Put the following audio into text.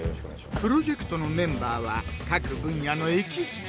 プロジェクトのメンバーは各分野のエキスパート。